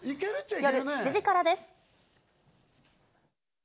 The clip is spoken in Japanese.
夜７時からです。